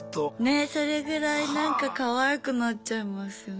ねっそれぐらいなんかかわいくなっちゃいますよね。